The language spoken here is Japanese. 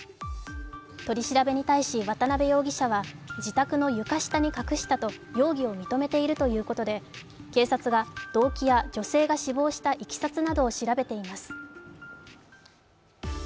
取り調べに対し渡辺容疑者は自宅の床下に隠したと容疑を認めているということで、警察は動機や女性が死亡したいきさつなどを調べています。